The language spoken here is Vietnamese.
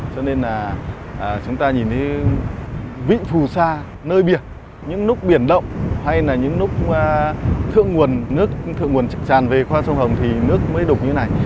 cho nên là chúng ta nhìn thấy vị phù sa nơi biển những nút biển động hay là những nút thượng nguồn nước thượng nguồn tràn về qua sông hồng thì nước mới đục như thế này